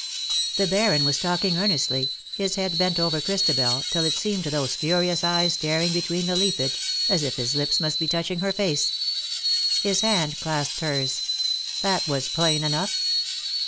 The Baron was talking earnestly, his head bent over Christabel, till it seemed to those furious eyes staring between the leafage, as if his lips must be touching her face. His hand clasped hers. That was plain enough.